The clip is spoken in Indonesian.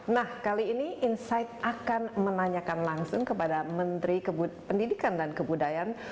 nah kali ini insight akan menanyakan langsung kepada menteri pendidikan dan kebudayaan